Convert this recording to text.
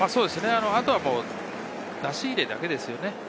あとは出し入れだけですよね。